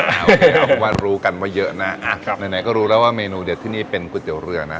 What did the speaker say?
เพราะว่ารู้กันว่าเยอะนะไหนก็รู้แล้วว่าเมนูเด็ดที่นี่เป็นก๋วยเตี๋ยวเรือนะ